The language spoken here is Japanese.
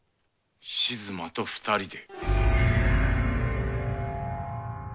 静馬と２人で。